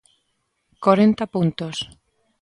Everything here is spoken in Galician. Corenta puntos.